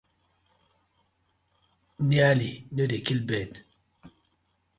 Nearly no dey kill bird: